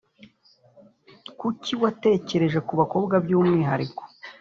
Kuki watekereje ku bakobwa by’umwihariko?